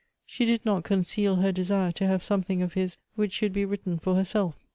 She did not conceal her desire 9 194 to have something of his which should be written for her self.